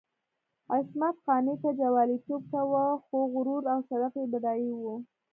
عصمت قانع که جواليتوب کاوه، خو غرور او شرف یې بډای وو.